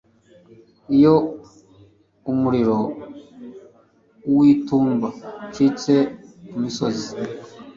Iyo umuriro w'itumba ucitse ku misozi